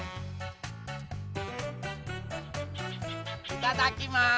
いただきます！